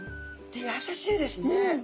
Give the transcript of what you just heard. やさしいですね。